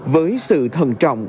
với sự thần trọng